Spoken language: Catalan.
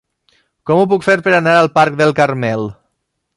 Com ho puc fer per anar al parc del Carmel?